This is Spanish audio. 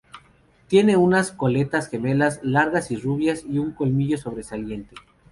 Tiene unas coletas gemelas largas y rubias y un colmillo sobresaliente.